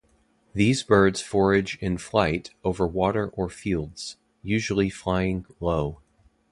These birds forage in flight over water or fields, usually flying low.